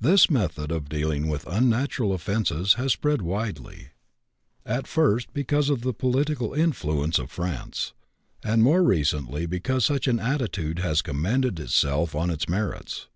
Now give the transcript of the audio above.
This method of dealing with unnatural offenses has spread widely, at first because of the political influence of France, and more recently because such an attitude has commended itself on its merits.